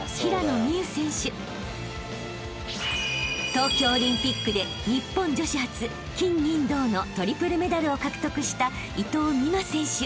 ［東京オリンピックで日本女子初金銀銅のトリプルメダルを獲得した］